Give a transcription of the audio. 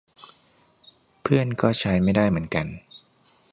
เพื่อนก็ใช้ไม่ได้เหมือนกัน